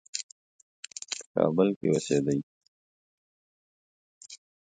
په کابل کې اوسېدی.